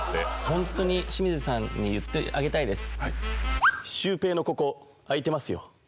ホントに清水さんに言ってあげたいです。